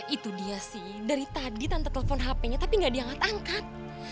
itu dia sih dari tadi tante telepon hp nya tapi gak diangkat angkat